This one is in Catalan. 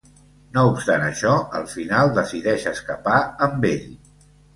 No obstant això, al final decideix escapar amb ell.